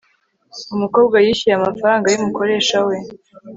umukobwa yishyuye amafaranga yumukoresha we